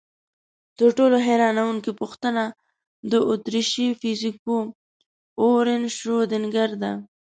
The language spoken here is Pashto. تر ټولو حیرانوونکې پوښتنه د اتریشي فزیکپوه اروین شرودینګر ده.